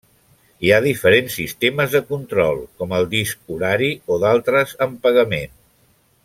Hi ha diferents sistemes de control, com el disc horari o d'altres amb pagament.